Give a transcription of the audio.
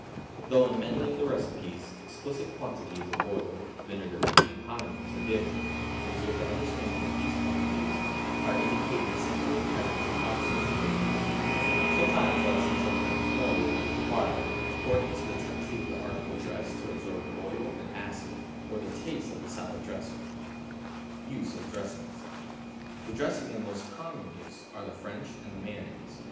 Though in many of the recipes explicit quantities of oil, vinegar and condiments are given, it is with the understanding that these quantities are indicated simply as an approximate rule; sometimes less and sometimes more will be required, according to the tendency of the article dressed to absorb oil and acid, or the taste of the salad dresser. =Use of Dressings.= The dressings in most common use are the French and the mayonnaise.